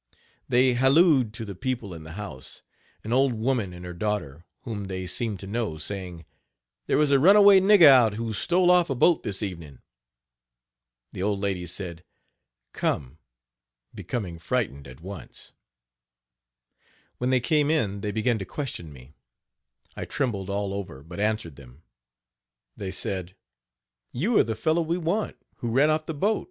They hallooed to the people in the house, an old woman and her daughter, whom they seemed to know, saying: "There is a runaway nigger out, who stole off a boat this evening." The old lady said, "Come," becoming frightened at once. When they came in they began to question me. I trembled all over but answered them. They said: "You are the fellow we want, who ran off the boat.